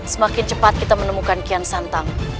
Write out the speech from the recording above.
semakin cepat kita menemukan kian santang